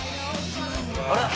「あれ！」